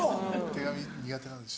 手紙苦手なんです。